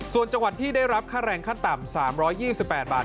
ส่วนจังหวัดที่ได้รับค่าแรงขั้นต่ำ๓๒๘บาท